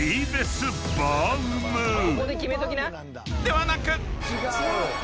［ではなく］